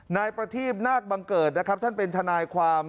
นายประทีบนาคบังเกิดนะครับท่านเป็นทนายความ